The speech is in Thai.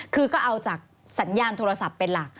คือก็เอาจากสัญญาณโทรศัพท์เป็นหลัก